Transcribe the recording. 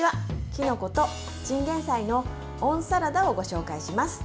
きのことチンゲンサイの温サラダをご紹介します。